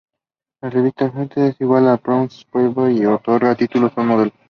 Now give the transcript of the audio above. La revista "Hustler", al igual que "Penthouse" o "Playboy", otorga títulos a sus modelos.